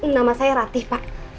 nama saya ratih pak